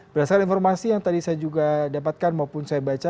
berdasarkan informasi yang tadi saya juga dapatkan maupun sejumlah pasien yang didapatkan